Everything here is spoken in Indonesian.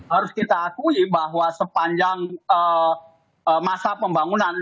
harus kita akui bahwa sepanjang masa pembangunan